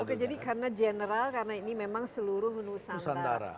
oke jadi karena general karena ini memang seluruh nusantara